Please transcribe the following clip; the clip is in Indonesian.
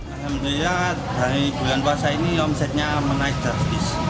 alhamdulillah dari bulan puasa ini omsetnya menaik drastis